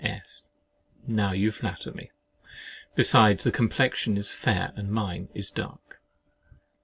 S. Now you flatter me. Besides, the complexion is fair, and mine is dark.